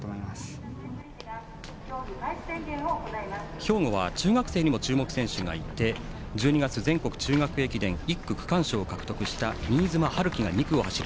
兵庫は中学生にも注目選手がいて１２月、全国中学駅伝１区区間賞を獲得した新妻遼己が２区を走る。